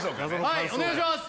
はいお願いします